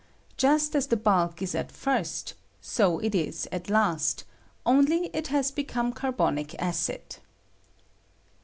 Just as the bulk is at first, so it ia at last, only it has become carbonic acid.